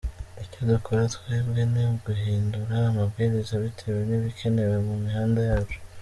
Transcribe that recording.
Icyo dukora twebwe ni uguhindura amabwiriza bitewe n’ibikenewe ku mihanda yacu.